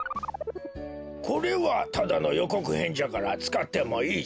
これはただのよこくへんじゃからつかってもいいじゃろ。